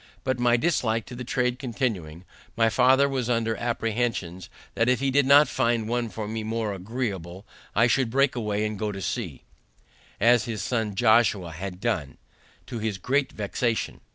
But my dislike to the trade continuing, my father was under apprehensions that if he did not find one for me more agreeable, I should break away and get to sea, as his son Josiah had done, to his great vexation.